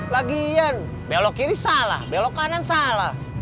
bagian belok kiri salah belok kanan salah